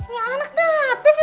nya anak gak apa sih